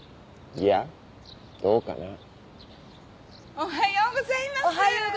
・おはようございます。